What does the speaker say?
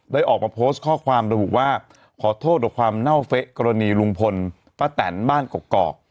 ออกมาโพสต์ข้อความระบุว่าขอโทษกับความเน่าเฟะกรณีลุงพลป้าแตนบ้านกกอก